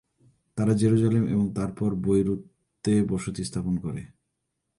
তারা জেরুজালেমে এবং তারপর বৈরুতে বসতি স্থাপন করে।